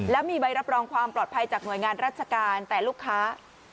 แล้วมีใบรับรองความปลอดภัยจากหน่วยงานราชการแต่ลูกค้า